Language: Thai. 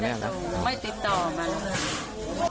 ไม่ติดต่อมาเลย